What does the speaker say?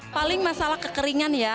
paling masalah kekeringan ya